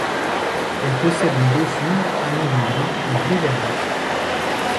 Elle possède un dos sombre allant du brun au gris verdâtre.